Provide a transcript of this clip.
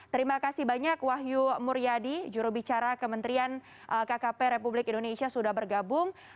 terima kasih banyak wahyu muryadi jurubicara kementerian kkp republik indonesia sudah bergabung